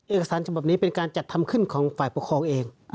เอกสารฉบับนี้เป็นการจัดทำขึ้นของฝ่ายปกครองเอง